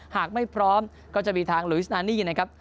หากไม่พร้อมก็จะมีทางลุยสนานี่นะครับ